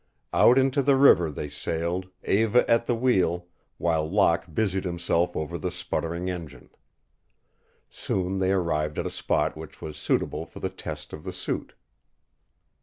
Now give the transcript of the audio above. Out into the river they sailed, Eva at the wheel, while Locke busied himself over the sputtering engine. Soon they arrived at a spot which was suitable for the test of the suit.